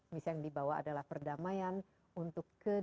misi yang dibawa adalah perdamaian untuk kejahatan